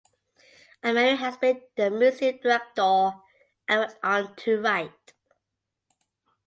Ameri has been the museum director and went on to write.